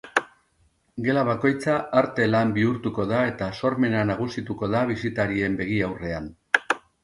Gela bakoitza arte-lan bihurtuko da eta sormena nagusituko da bisitarien begi aurrean.